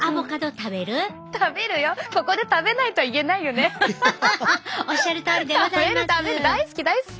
食べる食べる大好き大好き！